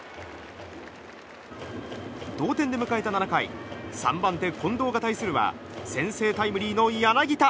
同点で迎えた７回３番手、近藤が対するは先制タイムリーの柳田。